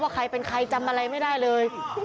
ใครเป็นใครจำอะไรไม่ได้เลย